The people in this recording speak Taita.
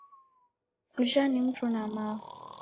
Uja ni mrunamao